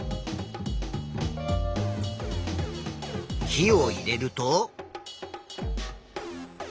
火を入れると。